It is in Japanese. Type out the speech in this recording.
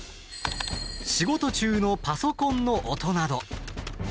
仕事中のパソコンの音など。